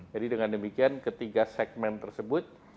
jadi dengan demikian ketiga segmen tersebut